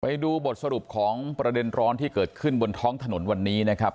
ไปดูบทสรุปของประเด็นร้อนที่เกิดขึ้นบนท้องถนนวันนี้นะครับ